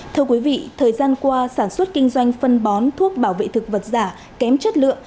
thưa quý vị thời gian qua sản xuất kinh doanh phân bón thuốc bảo vệ thực vật giả kém chất lượng